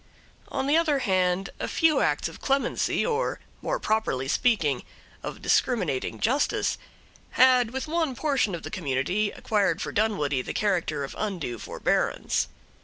On the other hand, a few acts of clemency, or, more properly speaking, of discriminating justice, had, with one portion of the community, acquired for Dunwoodie the character of undue forbearance.